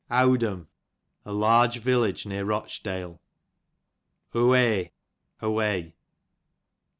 Owdhiim, a Uurge village near Rochdale, Owey, away.